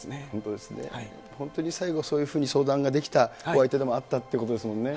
本当に最後、そういうふうに相談ができたお相手でもあったということですよね。